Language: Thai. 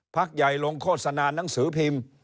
พักใหญ่ลงโฆษณานังสือพิมพ์